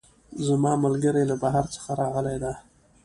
زما ملګرۍ له بهر څخه راغلی ده